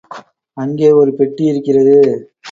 அங்கே ஒரு பெட்டி இருக்கிறது.